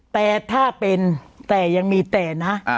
แต่ถ้าเป็นแต่ยังมีแต่นะ